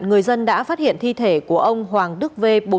người dân đã phát hiện thi thể của ông hoàng đức v